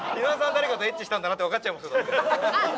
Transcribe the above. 誰かとエッチしたんだなってわかっちゃいますよ。